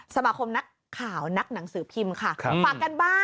สมาคมนักข่าวนักหนังสือพิมพ์ค่ะ